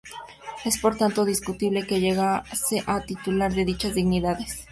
Es por tanto discutible que llegase a ser titular de dichas dignidades.